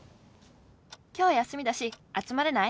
「きょう休みだし集まれない？